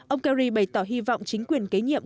ông kerry bày tỏ hy vọng chính quyền kế nhiệm